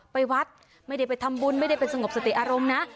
ไปวัดไม่ได้ไปทำบุญไม่ได้ไปสงบสติอารมณ์นะ